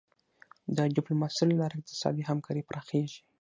د ډیپلوماسی له لارې اقتصادي همکاري پراخیږي.